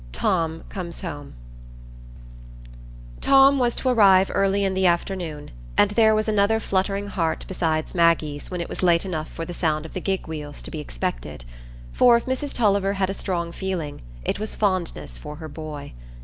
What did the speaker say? Tom Comes Home Tom was to arrive early in the afternoon, and there was another fluttering heart besides Maggie's when it was late enough for the sound of the gig wheels to be expected; for if Mrs Tulliver had a strong feeling, it was fondness for her boy.